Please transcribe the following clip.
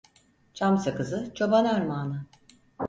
Çam sakızı, çoban armağanı.